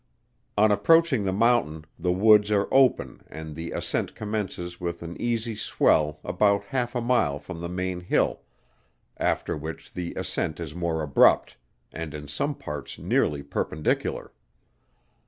On approaching the mountain the woods are open and the ascent commences with an easy swell about half a mile from the main hill, after which the ascent is more abrupt, and in some parts nearly perpendicular.